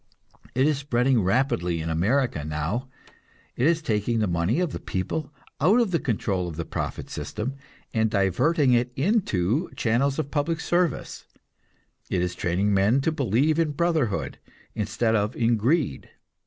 It is spreading rapidly in America now. It is taking the money of the people out of the control of the profit system, and diverting it into channels of public service. It is training men to believe in brotherhood instead of in greed.